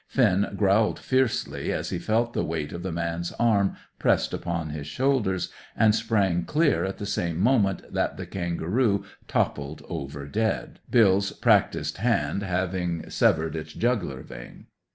Finn growled fiercely as he felt the weight of the man's arm pressed across his shoulders, and sprang clear at the same moment that the kangaroo toppled over dead, Bill's practised hand having severed its jugular vein.